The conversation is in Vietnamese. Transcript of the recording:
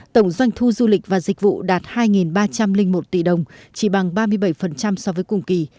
tổng doanh thu du lịch và dịch vụ đạt hai ba trăm linh một tỷ đồng chỉ bằng ba mươi bảy so với cùng kỳ